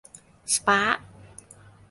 สปาร์คส์